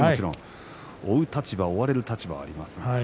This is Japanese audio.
追う立場、追われる立場あります。